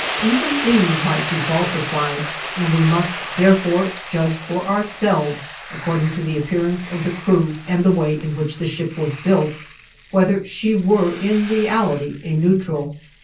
Even these might be falsified, and we must therefore judge for ourselves, according to the appearance of the crew and the way in which the ship was built, whether she were in reality a neutral.